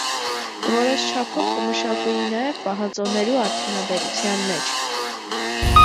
Որոշ չափով կը մշակուի նաեւ՝ պահածոներու արդիւնաբերութեան մէջ։